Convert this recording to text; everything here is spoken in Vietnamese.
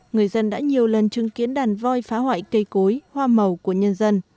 người dân đã nhiều lần chứng kiến đàn voi phá hoại cây cối hoa màu của nhân dân